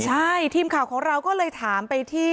ใช่ทีมข่าวของเราก็เลยถามไปที่